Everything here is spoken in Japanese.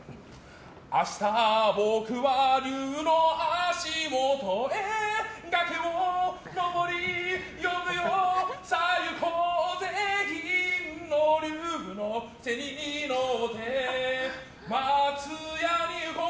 明日僕は龍の足元へ崖を上り呼ぶよさあ行こうぜ銀の龍の背に乗って松屋に行こう。